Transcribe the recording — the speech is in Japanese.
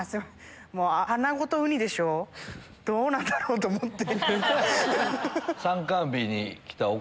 穴子とウニでしょどうなんだろう？と思って。